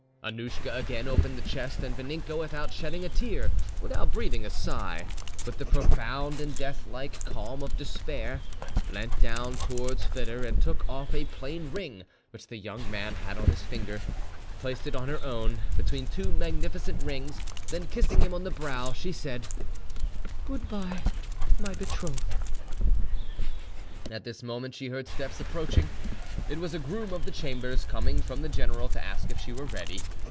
Annouschka again opened the chest, and Vaninka, without shedding a tear, without breathing a sigh, with the profound and death like calm of despair, leant down towards Foedor and took off a plain ring which the young man had on his finger, placed it on her own, between two magnificent rings, then kissing him on the brow, she said, "Goodbye, my betrothed." At this moment she heard steps approaching. It was a groom of the chambers coming from the general to ask if she were ready.